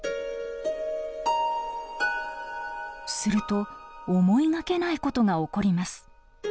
すると思いがけないことが起こります。